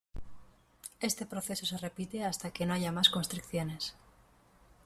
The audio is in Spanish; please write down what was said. Este proceso se repite hasta que no haya más constricciones.